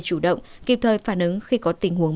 chủ động kịp thời phản ứng khi có tình huống